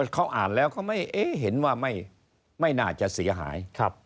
เขาอ่านแล้วเขาไม่เห็นว่าไม่น่าจะเสียหาย